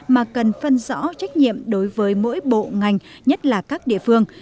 mà cần phân rõ trách nhiệm đối với mỗi bộ ngành nhất là các địa phương